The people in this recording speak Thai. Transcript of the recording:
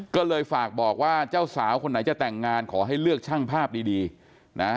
ก็เลยฝากบอกว่าเจ้าสาวคนไหนจะแต่งงานขอให้เลือกช่างภาพดีนะ